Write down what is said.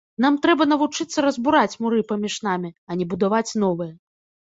Нам трэба навучыцца разбураць муры паміж намі, а не будаваць новыя.